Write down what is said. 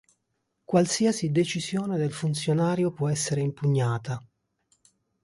Qualsiasi decisione del funzionario può essere impugnata.